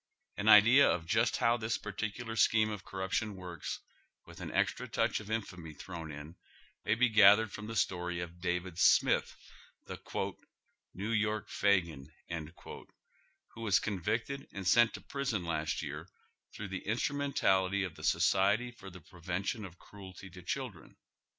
An idea of just how this particular sehenie of corrup tion works, with an extra touch of infamy thrown in, may be gathered from the story of David Smith, the "New York Fagin," who was convicted and sent to prison last oy Google THE CHEAP LODGIMQ HOUSES. 85 year tiiroagh the inBtrumentality of the Society for the Prevention of Cruelty to Children.